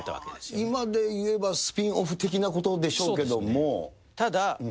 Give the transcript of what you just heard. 今でいえばスピンオフ的なことでしょうけども。